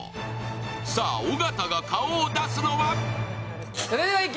さあ尾形が顔を出すのは？